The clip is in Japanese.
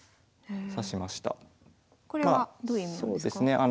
これはどういう意味なんですか？